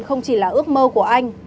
không chỉ là ước mơ của anh